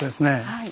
はい。